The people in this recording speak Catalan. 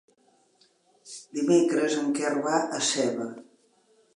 Dimecres en Quer va a Seva.